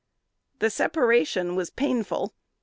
The separation was painful.